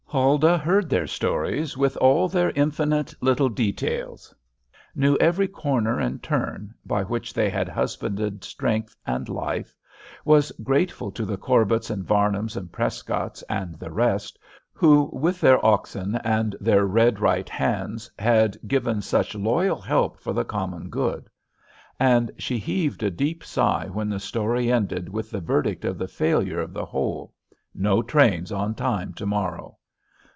Huldah heard their stories with all their infinite little details; knew every corner and turn by which they had husbanded strength and life; was grateful to the Corbetts and Varnums and Prescotts and the rest, who, with their oxen and their red right hands, had given such loyal help for the common good; and she heaved a deep sigh when the story ended with the verdict of the failure of the whole, "No trains on time to morrow."